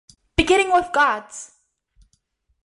Beginning with Guards!